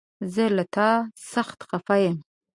زه له تا سخته خفه يم!